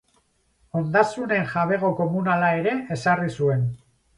Ondasunen jabego komunala ere ezarri zuen.